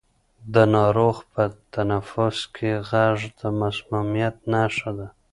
د ناروغ په تنفس کې غږ د مسمومیت نښه ده.